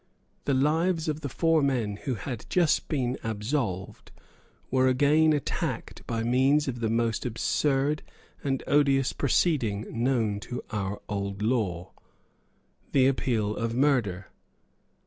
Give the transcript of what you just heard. The lives of the four men who had just been absolved were again attacked by means of the most absurd and odious proceeding known to our old law, the appeal of murder.